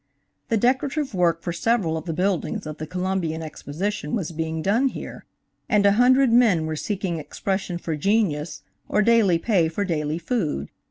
The decorative work for several of the buildings of the Columbian Exposition was being done here, and a hundred men were seeking expression for genius, or daily pay for daily food.